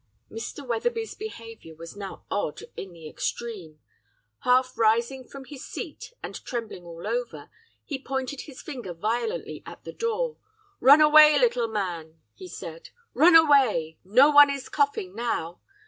"Mr. Wetherby's behaviour was now odd in the extreme. Half rising from his seat and trembling all over, he pointed his finger violently at the door. "'Run away, little man,' he said, 'run away! No one is coughing now.